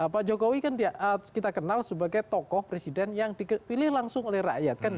pak jokowi kan kita kenal sebagai tokoh presiden yang dipilih langsung oleh rakyat